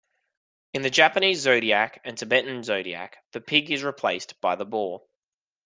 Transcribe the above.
In the Japanese zodiac and Tibetan zodiac, the Pig is replaced by the boar.